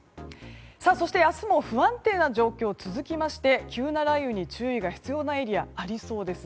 そして、明日も不安定な状況が続きまして急な雷雨に注意が必要なエリアありそうです。